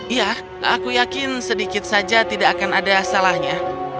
ya aku yakin sedikit saja tidak akan ada salahnya